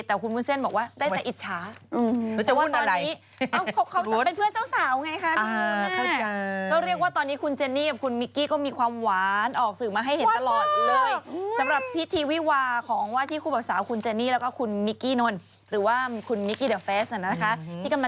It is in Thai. แต่ว่าคุณวุ้นเซ่นบอกว่าก็ได้แต่อิตชา